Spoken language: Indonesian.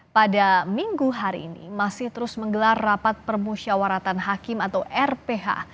pada minggu hari ini masih terus menggelar rapat permusyawaratan hakim atau rph